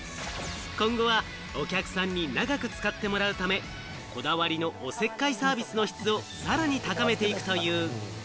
今後はお客さんに長く使ってもらうため、こだわりのおせっかいサービスの質をさらに高めていくという。